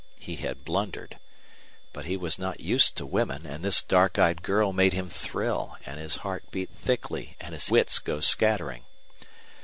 He had blundered. But he was not used to women, and this dark eyed girl made him thrill and his heart beat thickly and his wits go scattering.